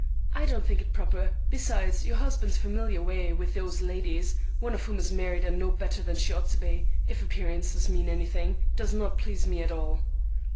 I don't think it proper. Besides, your husband's familiar way with those ladies—one of whom is married and no better than she ought to be, if appearances mean anything—does not please me at all."